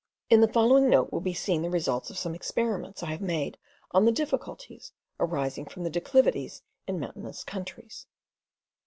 In the following note will be seen the results of some experiments I have made on the difficulties arising from the declivities in mountainous countries.